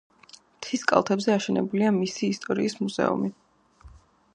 მთის კალთებზე აშენებულია მისი ისტორიის მუზეუმი.